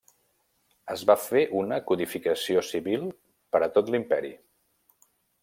Es va fer una codificació civil per a tot l'Imperi.